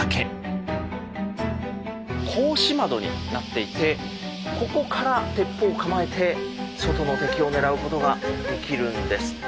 格子窓になっていてここから鉄砲を構えて外の敵を狙うことができるんです。